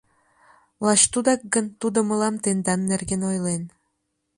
— Лач тудак гын, тудо мылам тендан нерген ойлен.